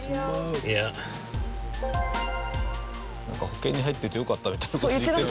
保険に入っててよかったみたいな事。